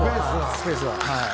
スペースがはい。